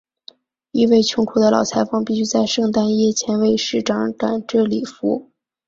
一位穷苦的老裁缝必须在圣诞夜前为市长赶制礼服。